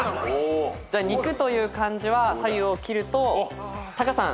じゃあ「肉」という漢字は左右を切るとタカさん。